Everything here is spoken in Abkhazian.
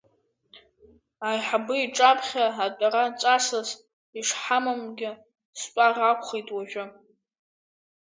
Аиҳабы иҿаԥхьа атәара ҵасыс ишҳамамгьы, стәар акәхеит уажәы…